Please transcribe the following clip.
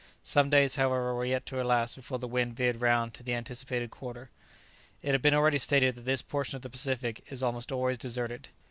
Some days however were yet to elapse before the wind veered round to the anticipated quarter. It has been already stated that this portion of the Pacific is almost always deserted.